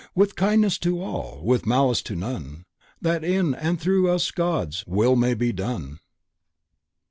With kindness to all; with malice to none, That in and through us God's will may be done.